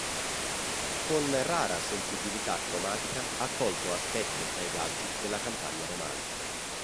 Con rara sensibilità cromatica ha colto aspetti e paesaggi della campagna romana.